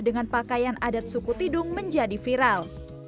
dengan pakaian adat suku tidung menjadi viral